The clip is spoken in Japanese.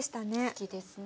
好きですね。